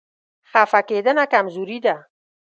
خفه کېدنه کمزوري ده.